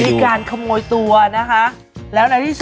มีการขโมยตัวนะคะ